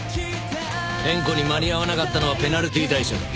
点呼に間に合わなかったのはペナルティー対象だ。